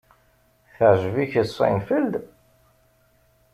Teɛjeb-ik Seinfeld?